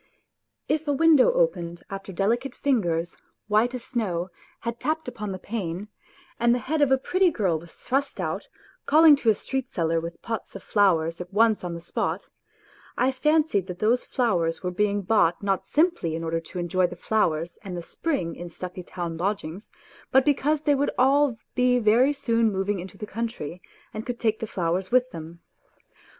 If a window opened after delicate fingers, white as snow, had tapped upon the pane, and the head of a pretty girl was thrust out, calling to a street seller with pots of flowers at once on the spot I fancied that those flowers were being bought not simply in order to enjoy the flowers and the spring in stuffy town lodgings, but because they would all be very soon moving into the country and could take the flowers with them.